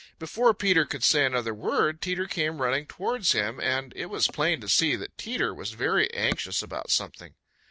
Before Peter could say another word Teeter came running towards him, and it was plain to see that Teeter was very anxious about something.